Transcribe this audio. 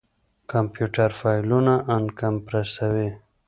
کمپيوټر فايلونه اَنکمپريسوي.